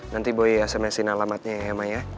nanti boy sms in alamatnya ya ma ya